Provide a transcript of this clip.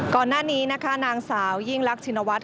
ก่อนหน้านี้นะคะนางสาวยิ่งรักชินวัฒน